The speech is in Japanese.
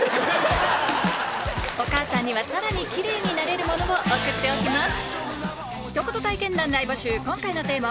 お母さんにはさらに奇麗になれるものを送っておきます